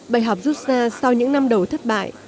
bài học rút ra sau những năm đầu thất bại